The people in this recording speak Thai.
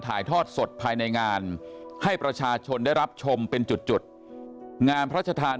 ถ่ายทอดสดภายในงานให้ประชาชนได้รับชมเป็นจุดจุดงานพระชธาน